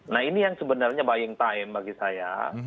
nah ini yang sebenarnya buying time bagi saya